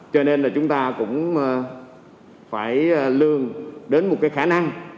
cho nên là chúng ta cũng phải lương đến một cái khả năng